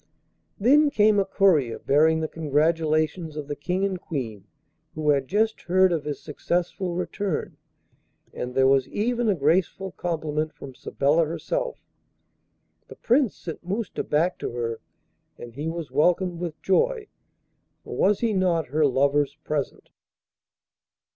Then came a courier bearing the congratulations of the King and Queen, who had just heard of his successful return, and there was even a graceful compliment from Sabella herself. The Prince sent Mousta back to her, and he was welcomed with joy, for was he not her lover's present?